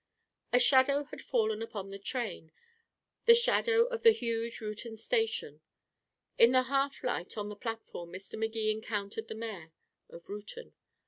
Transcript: A shadow had fallen upon the train the shadow of the huge Reuton station. In the half light on the platform Mr. Magee encountered the mayor of Reuton.